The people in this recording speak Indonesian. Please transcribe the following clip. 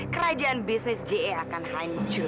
kerajaan bisnis ja akan hancur